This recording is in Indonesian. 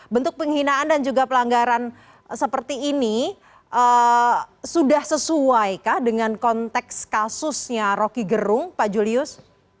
bentuk penghinaan dan juga pelanggaran seperti ini sudah sesuaikah dengan konteks kasusnya roky gerung pak julius